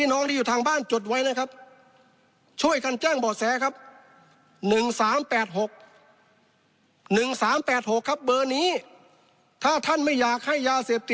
หรือท่านรู้ว่าใครค้าโทรมาครับ